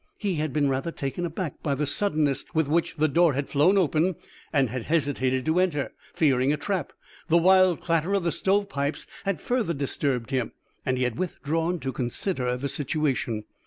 He had been rather taken aback by the suddenness with which the door had flown open, and had hesitated to enter, fearing a trap. The wild clatter of the stove pipes had further disturbed him, and he had withdrawn to consider the situation.